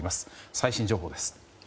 最新情報です。